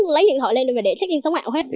lấy điện thoại lên để check in sống ảo hết